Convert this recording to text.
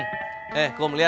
tidak ada yang mau menagihkan